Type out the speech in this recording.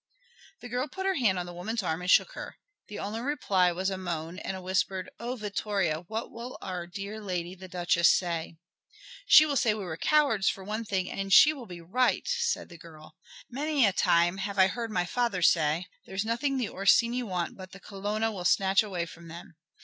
The girl put her hand on the woman's arm and shook her. The only reply was a moan and a whispered, "Oh, Vittoria, what will our dear lady the Duchess say?" "She will say we were cowards for one thing, and she will be right," said the girl. "Many a time have I heard my father say, 'There's nothing the Orsini want but the Colonna will snatch away from them.'